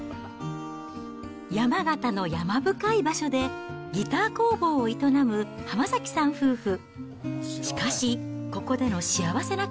山形の山深い場所でギター工房を営む浜崎さん夫婦。